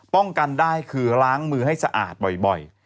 ป้องกันได้คือล้างมือให้สะอาดบ่อย